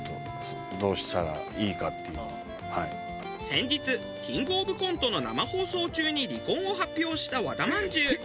先日キングオブコントの生放送中に離婚を発表した和田まんじゅう。